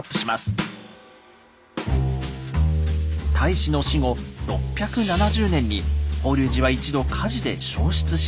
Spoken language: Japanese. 太子の死後６７０年に法隆寺は１度火事で焼失しました。